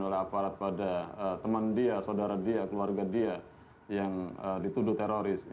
oleh aparat pada teman dia saudara dia keluarga dia yang dituduh teroris